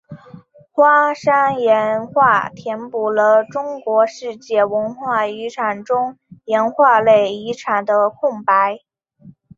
花山岩画填补了中国世界文化遗产中岩画类遗产的空白。